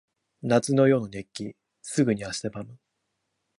夏の夜の熱気。すぐに汗ばむ。